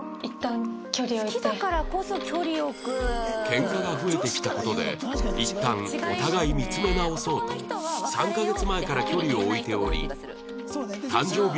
喧嘩が増えてきた事でいったんお互い見つめ直そうと３カ月前から距離を置いており誕生日